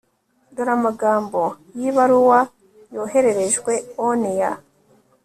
dore amagambo y'ibaruwa yohererejwe oniya